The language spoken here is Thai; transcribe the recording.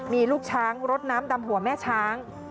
มีลูกช้างรดน้ำดำหัวแม่ช้าง